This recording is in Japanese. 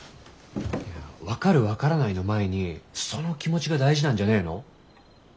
分かる分からないの前にその気持ちが大事なんじゃねえの？